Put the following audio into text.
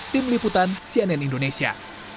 tim liputan cnn indonesia